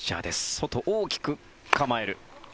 外、大きく構える。